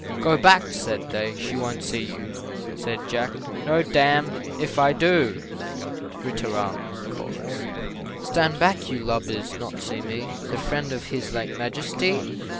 "Go back," said they, "she won't see you!" Said Jack "No damme if I do!" Ri tooral, &c. "Stand back, you lubbers! not see me, The friend of his late Majesty?"